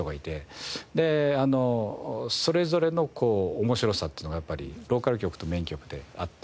であのそれぞれの面白さっていうのがやっぱりローカル局とメイン局であって。